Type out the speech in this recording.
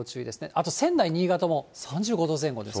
あと、仙台、新潟も３５度前後です。